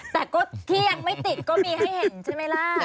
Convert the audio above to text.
แต่ก็ที่ยังไม่ติดก็มีให้เห็นใช่ไหมล่ะ